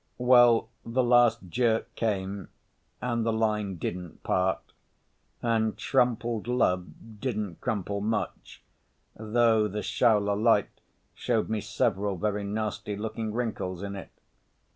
Well, the last jerk came and the line didn't part and Trompled Love didn't crumple much, though the Shaula light showed me several very nasty looking wrinkles in it.